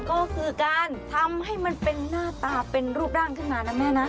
ก็คือการทำให้มันเป็นหน้าตาเป็นรูปร่างขึ้นมานะแม่นะ